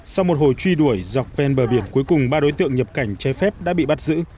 sau một hồi truy đuổi dọc ven bờ biển cuối cùng ba đối tượng nhập cảnh trái phép đã bị bắt giữ